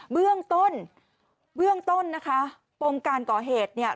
เบื้องต้นนะคะพงค์การก่อเหตุเนี่ย